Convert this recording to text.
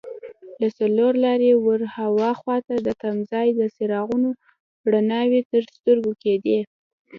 له څلور لارې ور هاخوا د تمځای د څراغونو رڼاوې تر سترګو کېدې.